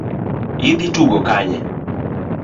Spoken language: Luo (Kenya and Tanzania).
Idhi tugo Kanye?